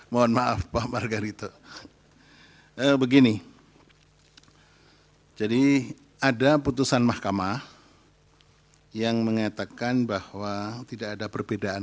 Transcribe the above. mohon maaf pak margarito begini jadi ada putusan mahkamah yang mengatakan bahwa tidak ada perbedaan